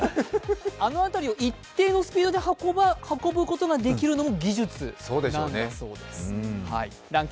あの辺りを一定のスピードで運ぶことができるのも技術なんだそうです。